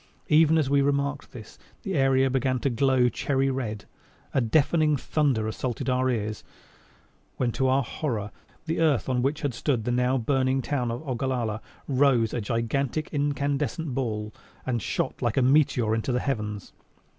Even as we remarked this, the area began to glow cherry red. A deafening thunder assaulted our ears when to our horror the earth on which had stood the now burning town of Ogallala, rose a gigantic incandescent ball and shot like a meteor into the heavens.